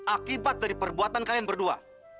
akibat dari perbuatan kalian berdua